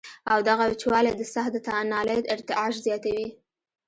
او دغه وچوالی د ساه د نالۍ ارتعاش زياتوي